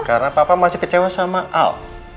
karena papa masih kecewa sama al